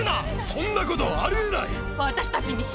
そんなこと、ありえない！